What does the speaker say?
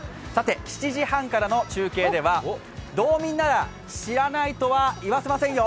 ７時半からの中継では道民なら知らないとはいわせませんよ！